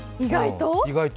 意外と？